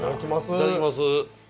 いただきます。